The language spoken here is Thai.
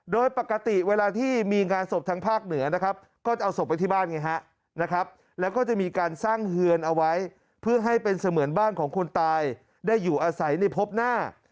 โดยปกติเวลาที่มีงานศพทางภาคเหนือนะครับก็จะเอาศพไปที่บ้านไงฮะนะครับแล้วก็จะมีการสร้างเฮือนเอาไว้เพื่อให้เป็นเสมือนบ้านของคนตายได้อยู่อาศัยในพบหน้า